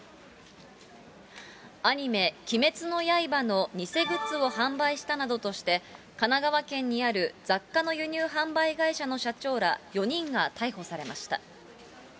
アニメ、鬼滅の刃の偽グッズを販売したなどとして、神奈川県にある雑貨の輸入販売会社の社長ら４人が逮捕されました。